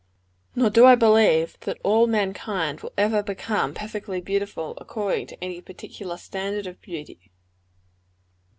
Nor do I believe that all mankind will ever become perfectly beautiful, according to any particular standard of beauty.